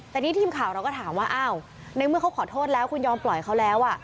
แต่นี่ทีมข่าวเราก็ถามว่าอ้าวในเมื่อเขาขอโทษแล้วคุณยอมปล่อยเขาแล้ว